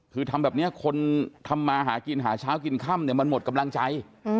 คือทำแบบนี้คนทำมาหากินหาเช้ากินค่ำเนี่ยมันหมดกำลังใจ